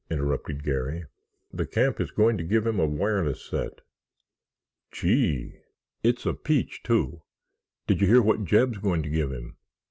interrupted Garry. "The camp is going to give him a wireless set." "Gee!" "It's a peach, too! Did you hear what Jeb's going to give him?